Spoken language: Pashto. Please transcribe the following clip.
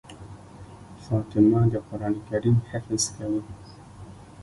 فاطمه د قرآن کريم حفظ کوي.